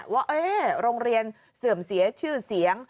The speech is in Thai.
ว่าโรงเรียนเสื่อมเสียชื่อเสียง